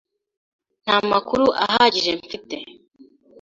Nta makuru ahagije mfite.